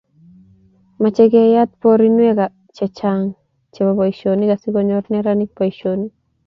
Mochei keyat poroinwek chechang chebo boisionik asikonyor neranik boisionik